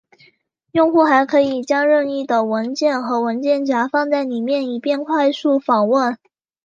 用户还可以将任意的文件和文件夹放在里面以便快速访问。